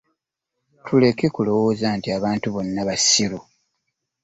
Tuleke kulowooza nti abantu bonna bassiru.